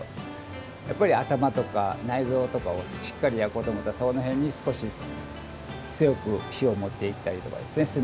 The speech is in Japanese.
やっぱり頭とか内臓とかをしっかり焼こうと思ったらその辺に少し強く火を持っていったりとかですね